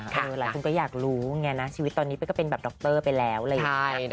ค่ะหลายคนก็อยากรู้ไงนะชีวิตตอนนี้ก็เป็นแบบดรไปแล้วเลย